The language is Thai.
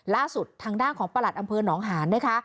ล่าสุดทางด้านของประหลัดอำเภอหนองหานนะคะ